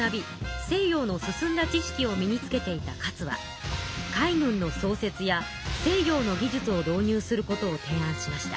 西洋の進んだ知識を身につけていた勝は海軍の創設や西洋の技術を導入することを提案しました。